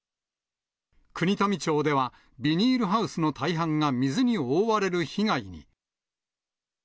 国富町ではビニールハウスの大半が水に覆われる被害に。